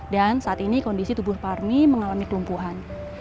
dan saat ini kondisi tubuh parmi mengalami kelumpuhan